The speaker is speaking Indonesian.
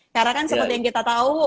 karena kan seperti yang kita tahu